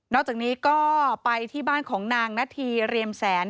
อกจากนี้ก็ไปที่บ้านของนางนาธีเรียมแสน